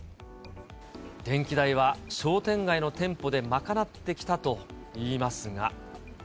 電気代は商店街の店舗で賄ってきたといいますが。